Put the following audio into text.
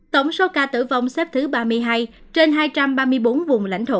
tổng số ca tử vong xếp thứ ba mươi hai trên hai trăm ba mươi bốn vùng lãnh thổ